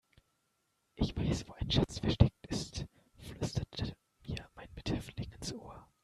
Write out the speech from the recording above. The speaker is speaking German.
Ich weiß, wo ein Schatz versteckt ist, flüsterte mir mein Mithäftling ins Ohr.